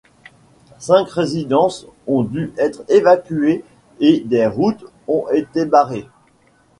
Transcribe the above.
Cinq résidences ont dû être évacuées et des routes ont été barrées.